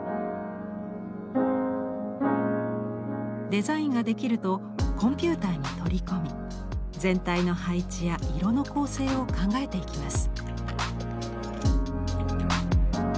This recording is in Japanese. デザインができるとコンピューターに取り込み全体の配置や色の構成を考えていきます。